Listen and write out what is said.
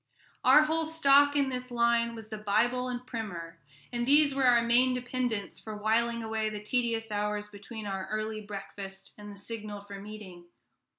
Our whole stock in this line was the Bible and Primer, and these were our main dependence for whiling away the tedious hours between our early breakfast and the signal for meeting.